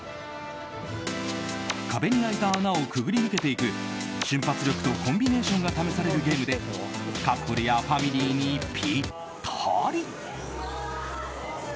壁に開いた穴をくぐり抜けていく瞬発力とコンビネーションが試されるゲームでカップルやファミリーにぴったり。